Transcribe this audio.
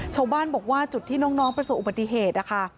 ชาวบ้านบอกว่าจุดที่น้องประสบอุบัติเหตุนะคะ